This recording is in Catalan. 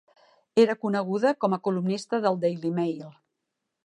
Era coneguda com a columnista del "Daily Mail".